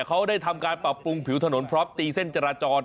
เขาได้ทำการปรับปรุงผิวถนนพร้อมตีเส้นจราจร